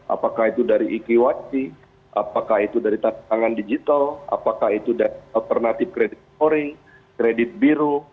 apakah itu dari ikiwati apakah itu dari tantangan digital apakah itu dari alternatif kredit storing kredit biru